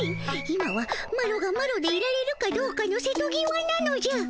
今はマロがマロでいられるかどうかのせとぎわなのじゃ。